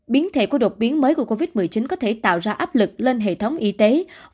biến thể của đột biến mới của covid một mươi chín có thể tạo ra áp lực lên hệ thống y tế